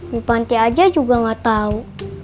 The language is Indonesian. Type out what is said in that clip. bupanti aja juga gak tau